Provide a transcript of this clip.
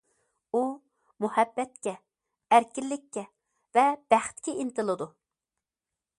ئۇ مۇھەببەتكە، ئەركىنلىككە ۋە بەختكە ئىنتىلىدۇ.